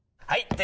はい！